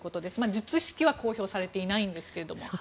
術式は公表されていませんが。